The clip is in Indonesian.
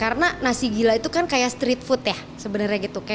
karena nasi gila itu kan kayak street food ya sebenarnya gitu